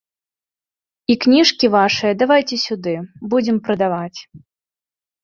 І кніжкі вашыя давайце сюды, будзем прадаваць.